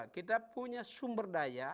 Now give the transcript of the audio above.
kita punya sumber daya